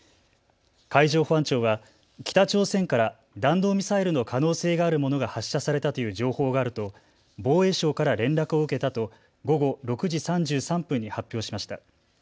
海上保安庁は北朝鮮から弾道ミサイルの可能性があるものが発射されたという情報があると防衛省から連絡を受けたと午後６時３３分に発表しました。